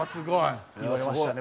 言われましたね